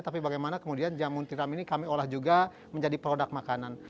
tapi bagaimana kemudian jamur tiram ini kami olah juga menjadi produk makanan